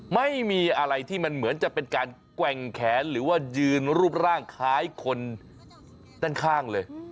ไม่มีอะไรที่มันเหมือนจะเป็นการแกว่งแขนหรือว่ายืนรูปร่างคล้ายคนด้านข้างเลย